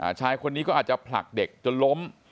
ชายคนนี้ก็อาจจะผลักเด็กจนล้ม